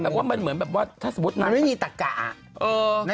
ว่ามันเหมือนแบบว่าถ้าสมมุตินางไม่มีตะกะ